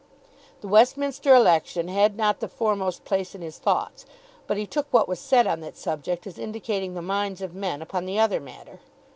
The Westminster election had not the foremost place in his thoughts; but he took what was said on that subject as indicating the minds of men upon the other matter.